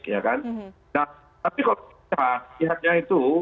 nah tapi kalau kita lihatnya itu